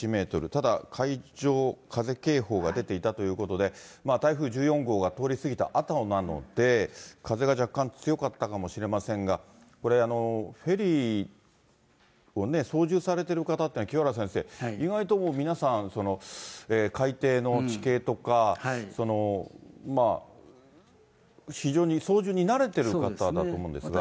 ただ海上風警報が出ていたということで、台風１４号が通り過ぎたあとなので、風が若干、強かったかもしれませんが、これ、フェリーを操縦されてる方っていうのは、清原先生、意外と皆さん、海底の地形とか、非常に操縦に慣れてる方だと思うんですが。